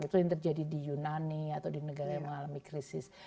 itu yang terjadi di yunani atau di negara yang mengalami krisis